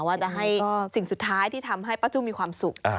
ว่าจะให้สิ่งสุดท้ายที่ทำให้ป้าจุ้มมีความสุข